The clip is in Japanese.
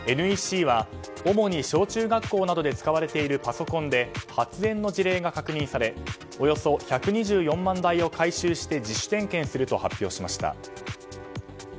ＮＥＣは主に小中学校などで使われているパソコンで発煙の事例が確認されおよそ１２４万台を回収して自主点検すると発表しました。